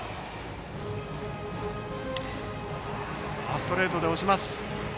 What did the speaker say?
ストレートで押します。